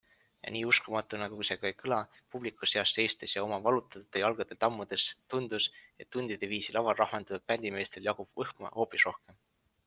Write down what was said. Ja nii uskumatuna kui see ka ei kõla - publiku seas seistes ja oma valutavatel jalgadel tammudes tundus, et tundide viisi laval rahmeldanud bändimeestel jagub võhma hoopis rohkem.